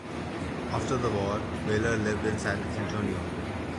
After the war, Baylor lived in San Antonio.